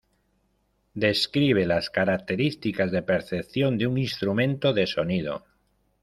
Describe las características de percepción de un instrumento de sonido.